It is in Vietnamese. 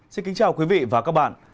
xin kính chào quý vị và các bạn